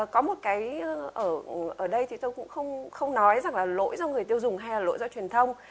có một cái ở đây thì tôi cũng không nói rằng là lỗi do người tiêu dùng hay là lỗi do truyền thông